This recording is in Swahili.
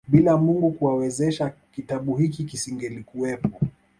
Bila Mungu kuwawezesha kitabu hiki kisingelikuwepo